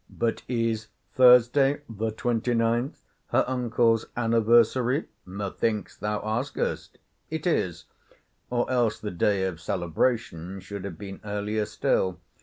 But is Thursday, the 29th, her uncle's anniversary, methinks thou askest?—It is; or else the day of celebration should have been earlier still.